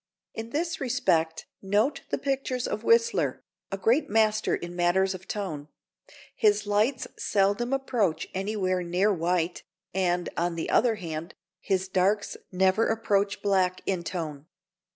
In this respect note the pictures of Whistler, a great master in matters of tone; his lights seldom approach anywhere near white, and, on the other hand, his darks never approach black in tone.